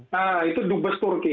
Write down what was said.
nah itu dubes turki